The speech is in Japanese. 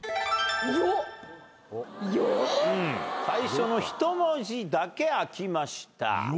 最初の１文字だけ開きました。